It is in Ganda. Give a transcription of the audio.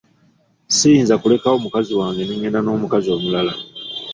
Siyinza kulekawo mukazi wange ne ngenda n'omukazi omulala.